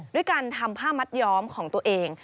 ด้วยการทำผ้ามัดย้อมของตัวเอง